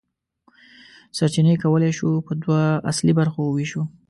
سرچینې کولی شو په دوه اصلي برخو وویشو.